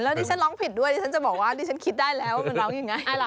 ดิฉันร้องผิดด้วยดิฉันจะบอกว่าดิฉันคิดได้แล้วว่ามันร้องยังไง